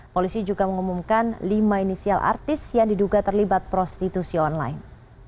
polisi juga mengumumkan lima inisial artis yang diduga terlibat prostitusi online